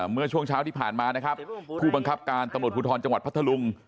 เมื่อช่วงเช้าที่ผ่านมานะครับผู้บังคับการตำรวจภูทรจังหวัดพัทธลุง